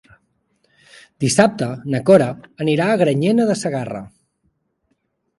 Dissabte na Cora anirà a Granyena de Segarra.